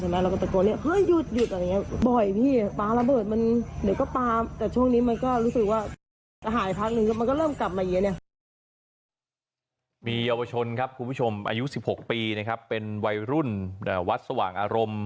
มีเยาวชนครับคุณผู้ชมอายุ๑๖ปีนะครับเป็นวัยรุ่นวัดสว่างอารมณ์